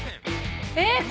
えっ！